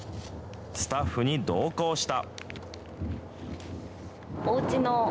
スタッフに同行した。